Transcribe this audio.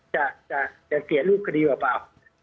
จะเสียรูปคดีเปล่า